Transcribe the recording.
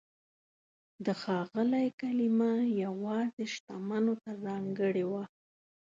د "ښاغلی" کلمه یوازې شتمنو ته ځانګړې وه.